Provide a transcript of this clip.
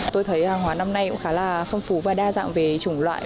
tôi thấy hàng hóa năm nay cũng khá là phong phú và đa dạng về chủng loại